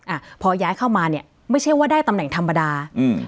อ่าพอย้ายเข้ามาเนี้ยไม่ใช่ว่าได้ตำแหน่งธรรมดาอืม